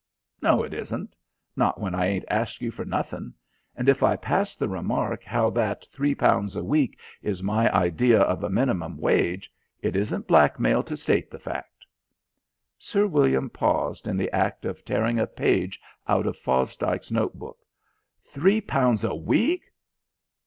"No, it isn't. Not when I ain't asked you for nothing. And if I pass the remark how that three pounds a week is my idea of a minimum wage, it isn't blackmail to state the fact." Sir William paused in the act of tearing a page out of Fosdike's note book. "Three pounds a week!"